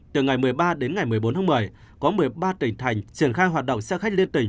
từ ngày một mươi ba đến ngày một mươi bốn tháng một mươi có một mươi ba tỉnh thành triển khai hoạt động xe khách liên tỉnh